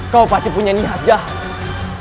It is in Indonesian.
kau pasti punya niat jahat